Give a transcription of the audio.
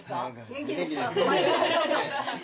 「元気ですか？」。